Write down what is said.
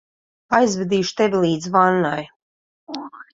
Aizvedīšu tevi līdz vannai.